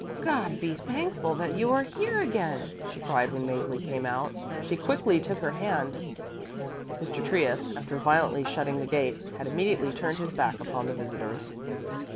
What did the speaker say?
"God be thanked that you are here again!" she cried when Mäzli came out. She quickly took her hand. Mr. Trius, after violently shutting the gate, had immediately turned his back upon the visitors.